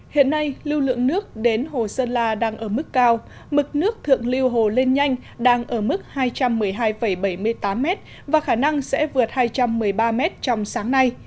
hiện nay lưu lượng nước đến hồ sơn la đang ở mức cao mực nước thượng lưu hồ lên nhanh đang ở mức hai trăm một mươi hai bảy mươi tám m và khả năng sẽ vượt hai trăm một mươi ba m trong sáng nay